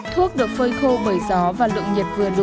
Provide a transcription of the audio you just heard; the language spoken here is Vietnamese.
thuốc được phơi khô bởi gió và lượng nhiệt vừa đủ